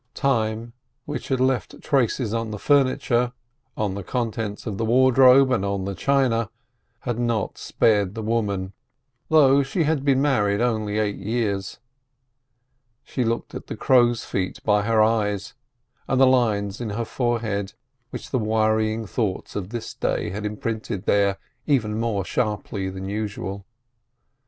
Time, which had left traces on the furniture, on the contents of the wardrobe, and on the china, had not spared the woman, though she had been married only eight years. She looked at the crow's feet by her eyes, and the lines in her forehead, which the worrying thoughts of this day had imprinted there even more sharply than usual.